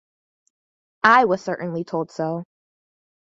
I was certainly told so.